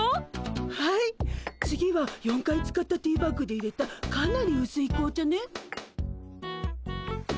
はい次は４回使ったティーバッグでいれたかなりうすい紅茶ね。